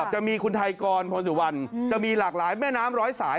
จะมีคุณไทยกรพลสุวรรณจะมีหลากหลายแม่น้ำร้อยสาย